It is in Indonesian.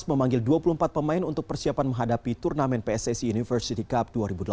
memanggil dua puluh empat pemain untuk persiapan menghadapi turnamen pssi university cup dua ribu delapan belas